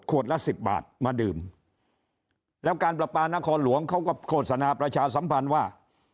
ละสิบบาทมาดื่มแล้วการประปานครหลวงเขาก็โฆษณาประชาสัมพันธ์ว่า